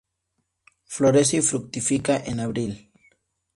Florece y fructifica en abril.